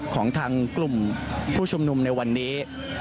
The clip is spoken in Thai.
ของทางกลุ่มผู้ชุมนุมในวันนี้